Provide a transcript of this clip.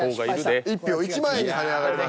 １票１万円に跳ね上がります。